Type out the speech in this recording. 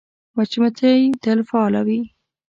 مچمچۍ تل فعاله وي